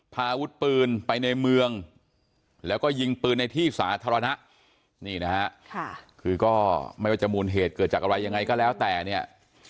พาอาวุธปืนไปในเมืองแล้วก็ยิงปืนในที่สาธารณะนี่นะฮะคือก็ไม่ว่าจะมูลเหตุเกิดจากอะไรยังไงก็แล้วแต่เนี่ย